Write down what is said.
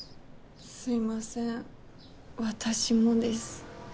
すいません私もです